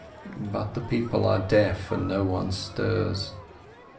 But the people are deaf, and no one stirs.